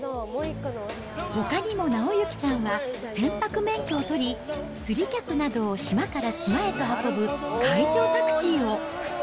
ほかにも直行さんは船舶免許を取り、釣り客などを島から島へと運ぶ海上タクシーを。